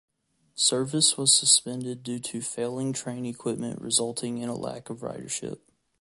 Service was suspended due to failing train equipment resulting in a lack of ridership.